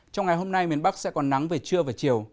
trong ngày hôm nay miền bắc sẽ còn nắng về trưa và chiều